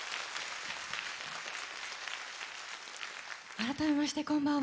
改めましてこんばんは。